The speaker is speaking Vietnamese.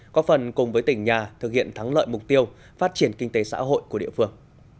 có phần cùng với tỉnh nhà thực hiện thắng lợi mục tiêu phát triển kinh tế xã hội của địa phương